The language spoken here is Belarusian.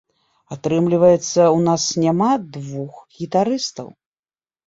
Атрымліваецца, у нас няма двух гітарыстаў.